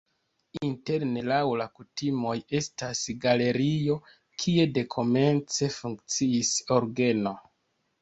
Interne laŭ la kutimoj estas galerio, kie dekomence funkciis orgeno.